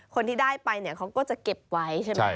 คนที่ได้ไปเนี่ยเขาก็จะเก็บไว้ใช่ไหม